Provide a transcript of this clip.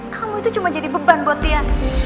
kamu itu cuma jadi beban buat dia